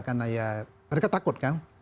karena ya mereka takut kan